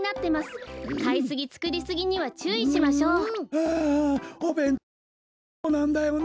はあおべんとうあまりそうなんだよな。